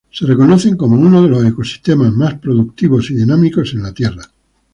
Se reconocen como uno de los ecosistemas más productivos y dinámicos en la Tierra.